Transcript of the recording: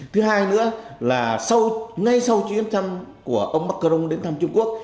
thứ hai nữa là ngay sau chuyến thăm của ông macron đến thăm trung quốc